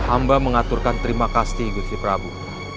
amba mengaturkan terima kasih gusti prabu